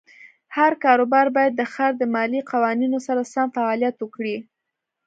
هر کاروبار باید د ښار د مالیې قوانینو سره سم فعالیت وکړي.